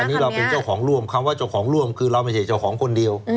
อันนี้เราเป็นเจ้าของร่วมคำว่าเจ้าของร่วมคือเราไม่ใช่เจ้าของคนเดียว